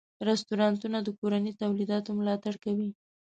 رستورانتونه د کورني تولیداتو ملاتړ کوي.